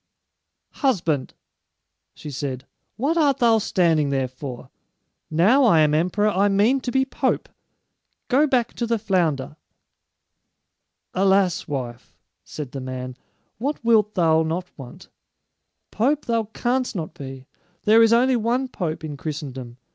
"Husband," she said, "what art thou standing there for? Now I am emperor, I mean to be pope! Go back to the flounder." "Alas, wife," said the man, "what wilt thou not want? Pope thou canst not be. There is only one pope in Christendom.